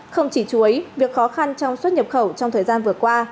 không chỉ chuối việc khó khăn trong xuất nhập khẩu trong thời gian vừa qua